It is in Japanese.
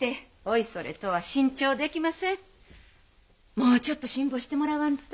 もうちょっと辛抱してもらわんと。